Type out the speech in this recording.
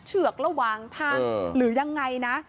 เจ้าแม่น้ำเจ้าแม่น้ำ